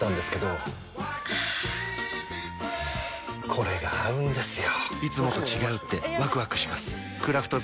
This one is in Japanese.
これが合うんですよ！